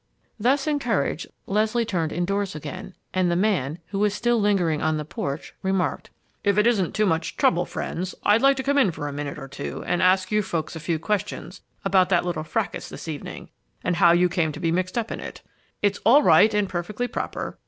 Thus encouraged, Leslie turned indoors again, and the man, who was still lingering on the porch, remarked: "If it isn't too much trouble, friends, I'd like to come in for a minute or two and ask you folks a few questions about that little fracas this evening and how you came to be mixed up in it. It's all right and perfectly proper!"